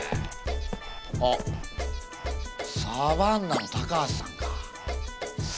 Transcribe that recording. あっサバンナの高橋さんか。